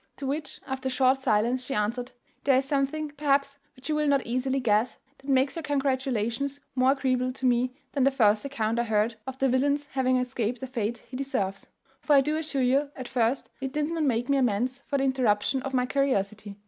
To which, after a short silence, she answered, "There is something, perhaps, which you will not easily guess, that makes your congratulations more agreeable to me than the first account I heard of the villain's having escaped the fate he deserves; for I do assure you, at first, it did not make me amends for the interruption of my curiosity.